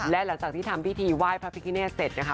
และหลังจากที่ทำพิธีไหว้พระพิคเนตเสร็จนะคะ